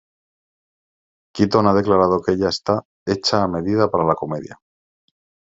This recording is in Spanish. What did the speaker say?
Keaton ha declarado que ella está: "hecha a medida para la comedia".